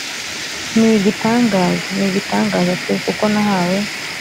Niigitangaza, n'igitangaza pe, Kuko nahawe